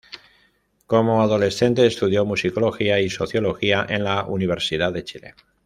Como adolescente estudió Musicología y Sociología en la Universidad de Chile.